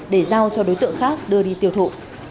để giao cho đối tượng khác đưa đi tiêu thụ